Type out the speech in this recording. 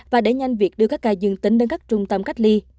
và đẩy nhanh việc đưa các ca dương tính đến các trung tâm cách ly